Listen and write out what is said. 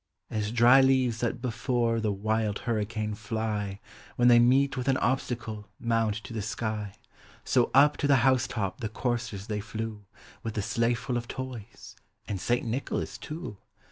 As drv leaves that ltefore the wild hurricane 11 v, W hen they meet with an obstacle, mount to the sky. So up to the house top the coursers they Hew, With the sleigh full of toys, — and St. Nicholas too.